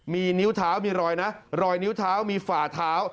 มีนิ้วเท้ามีรอยนะรอยนิ้วเท้ามีฝ่าเท้า